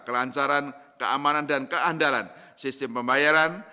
kelancaran keamanan dan keandalan sistem pembayaran